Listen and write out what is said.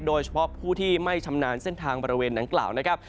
โดยเฉพาะผู้ที่ไม่ชำนาญเส้นทางบริเวณดังกล่าวนะครับ